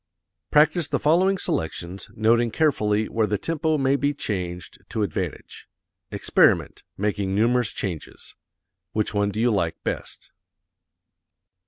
Practise the following selections, noting carefully where the tempo may be changed to advantage. Experiment, making numerous changes. Which one do you like best?